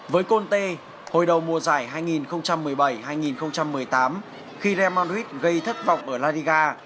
với conte hồi đầu mùa giải hai nghìn một mươi bảy hai nghìn một mươi tám khi raymond ruiz gây thất vọng ở la liga